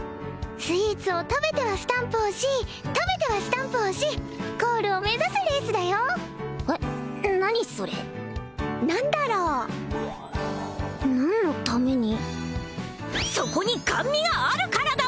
スイーツを食べてはスタンプを押し食べてはスタンプを押しゴールを目指すレースだよえっ何それ何だろう何のためにそこに甘味があるからだ！